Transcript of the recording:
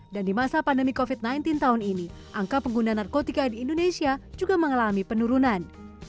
dan di masa pandemi covid sembilan belas tahun ini angka pengguna narkotika di indonesia juga mengalami penurunan